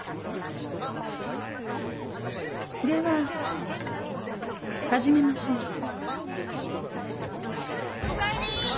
では始めましょうか。